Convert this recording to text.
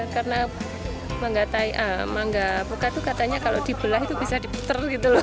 karena mangga alpukat itu katanya kalau dibelah itu bisa diputer gitu loh